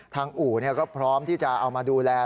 อู่ก็พร้อมที่จะเอามาดูแล